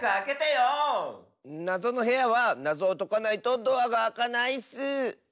なぞのへやはなぞをとかないとドアがあかないッス！